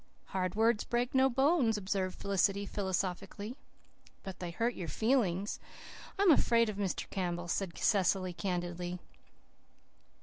"Hard words break no bones," observed Felicity philosophically. "But they hurt your feelings. I am afraid of Mr. Campbell," said Cecily candidly.